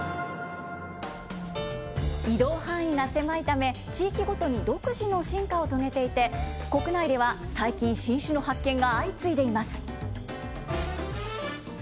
移動範囲が狭いため、地域ごとに独自の進化を遂げていて、国内では最近、新種の発見が相次いでいます。